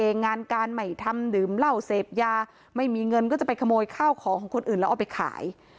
งานการไม่ทำดื่มเหล้าเสพยาไม่มีเงินก็จะไปขโมยข้าวของของคนอื่นแล้วเอาไปขาย